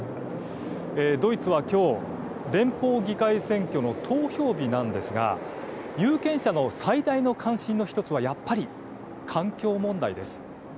ドイツはきょう、連邦議会選挙の投票日なんですが有権者の最大の関心の１つはやっぱり、環境問題です。